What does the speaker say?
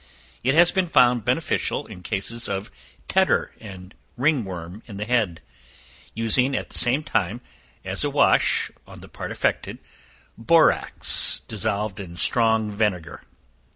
It has been found beneficial in cases of tetter and ringworm in the head, using at the same time, as a wash on the part affected, borax dissolved in strong vinegar.